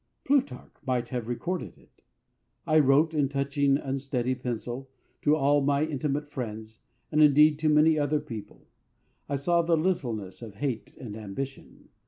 Plutarch might have recorded it. I wrote in touchingly unsteady pencil to all my intimate friends, and indeed to many other people. I saw the littleness of hate and ambition.